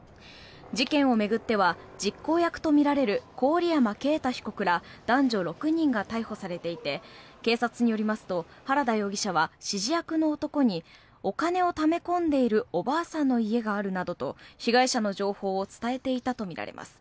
事件を巡っては実行役とみられる郡山啓太被告ら男女６人が逮捕されていて警察によりますと原田容疑者は指示役の男にお金をため込んでいるおばあさんの家があるなどと被害者の情報を伝えていたとみられます。